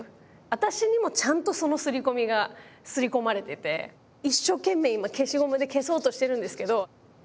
私にもちゃんとその刷り込みが刷り込まれてて一生懸命今消しゴムで消そうとしてるんですけど。